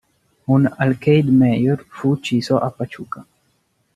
Un "alcalde mayor" fu ucciso a Pachuca.